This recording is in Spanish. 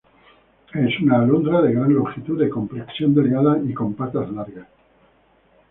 Es una alondra de gran longitud, de complexión delgada y con patas largas.